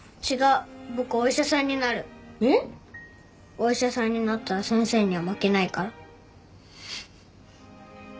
お医者さんになったら先生には負けないから。